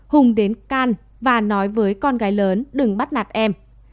hùng đến can và nói với con gái lớn đừng bắt nạt em